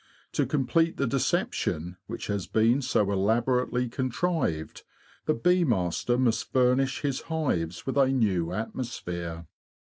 To complete the deception which has been so elaborately BEES AND THEIR MASTERS 12s contrived, the bee master must furnish his_ hives with a new atmosphere.